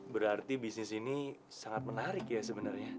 berarti bisnis ini sangat menarik ya sebenarnya